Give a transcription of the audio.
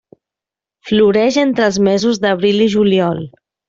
Floreix entre els mesos d'abril i juliol.